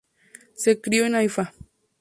Se crió en Haifa.